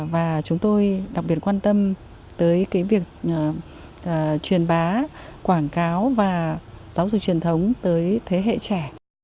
và chúng tôi đặc biệt quan tâm tới cái việc truyền bá quảng cáo và giáo dục truyền thống tới thế hệ trẻ